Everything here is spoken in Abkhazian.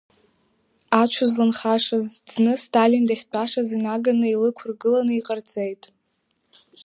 Ацә узланхашаз ӡны Сталин дахьтәашаз инаганы илықәыргыланы иҟарҵеит.